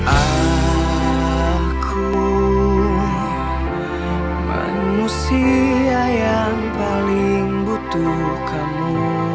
aku manusia yang paling butuh kamu